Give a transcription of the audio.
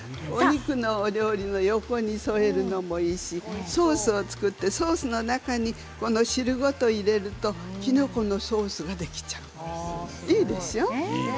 お肉のお料理の横に添えるのもいいしソースを作ってソースの中に汁ごと入れるときのこのソースができちゃういいでしょう。